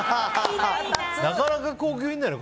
なかなか高級だよね。